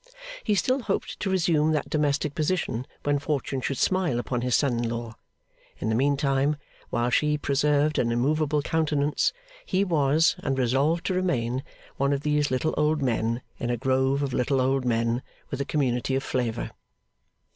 He still hoped to resume that domestic position when Fortune should smile upon his son in law; in the meantime, while she preserved an immovable countenance, he was, and resolved to remain, one of these little old men in a grove of little old men with a community of flavour.